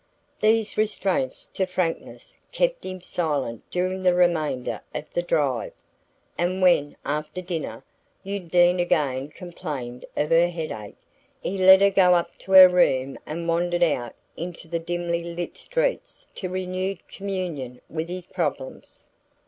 These restraints to frankness kept him silent during the remainder of the drive, and when, after dinner, Undine again complained of her headache, he let her go up to her room and wandered out into the dimly lit streets to renewed communion with his problems.